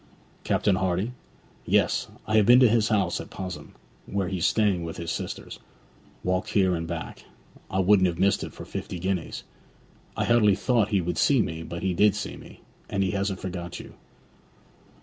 'Captain Hardy?' 'Yes. I have been to his house at Pos'ham, where he's staying with his sisters; walked there and back, and I wouldn't have missed it for fifty guineas. I hardly thought he would see me; but he did see me. And he hasn't forgot you.'